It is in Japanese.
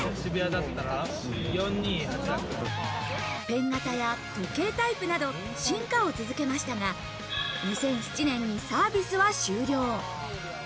ペン型や時計タイプなど、進化を続けましたが、２００７年にサービスは終了。